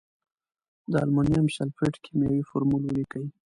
د المونیم سلفیټ کیمیاوي فورمول ولیکئ.